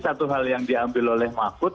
satu hal yang diambil oleh mahfud